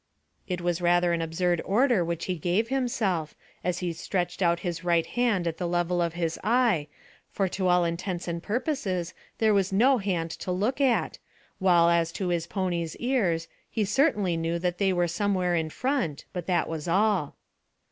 It was rather an absurd order which he gave himself, as he stretched out his right hand at the level of his eye, for to all intents and purposes there was no hand to look at, while as to his pony's ears, he certainly knew that they were somewhere in front, but that was all.